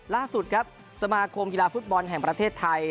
ล่าสุดครับสมาคมกีฬาฟุตบอลแห่งประเทศไทย